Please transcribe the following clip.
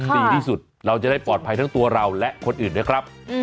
ดีที่สุดเราจะได้ปลอดภัยทั้งตัวเราและคนอื่นด้วยครับ